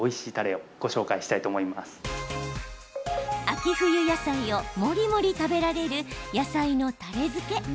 秋冬野菜をもりもり食べられる野菜のたれ漬け。